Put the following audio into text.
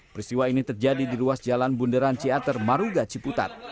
peristiwa ini terjadi di ruas jalan bunderan ciater maruga ciputat